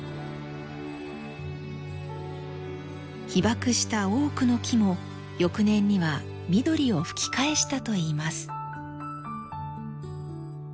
被爆した多くの木も翌年には緑を吹き返したといいます。